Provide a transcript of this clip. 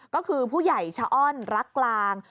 ก็คือผู้ใหญ่ชะอ้อนรักกลาง